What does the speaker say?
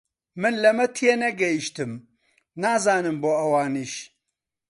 من لەمە تێنەگەیشتم، نازانم بۆ ئەوانیش